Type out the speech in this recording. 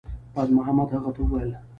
بازمحمد هغه ته وویل